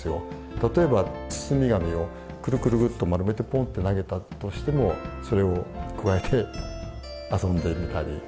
例えば包み紙をクルクルクルと丸めてポンって投げたとしてもそれをくわえて遊んでみたり。